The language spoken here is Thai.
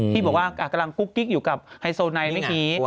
ที่บอกว่ากำลังกุ๊กกิ๊กอยู่กับไฮโซไนท์เมื่อกี้